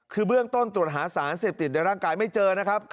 คือเบื้องต้นตรวจหาสารเสพติดในร่างกายไม่เจอนะครับ